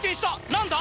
何だ？